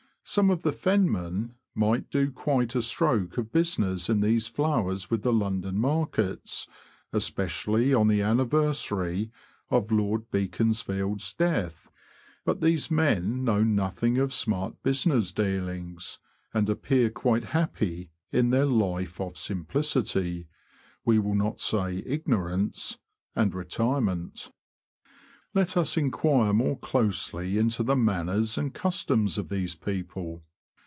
Some of the fenmen might do quite a stroke of business in these flowers with the London markets, especially on the anniversary of Lord Beaconsfield's death ; but these men know nothing of smart busi ness dealings, and appear quite happy in their life of simplicity — we will not say ignorance — and retire ment. Let us inquire more closely into the manners and customs of these people.